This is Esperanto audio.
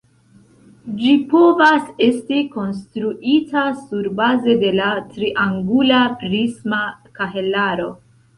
Ĝi povas esti konstruita surbaze de la triangula prisma kahelaro.